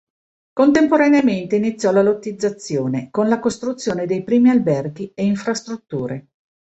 Contemporaneamente iniziò la lottizzazione, con la costruzione dei primi alberghi e infrastrutture.